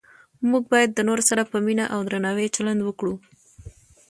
موږ باید د نورو سره په مینه او درناوي چلند وکړو